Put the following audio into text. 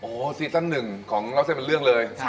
โอ้ซีซั่น๑ของราวเส้นเป็นเรื่องเลย